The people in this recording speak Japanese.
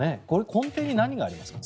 根底に何がありますか？